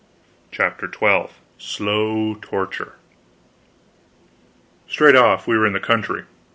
CHAPTER XII SLOW TORTURE Straight off, we were in the country.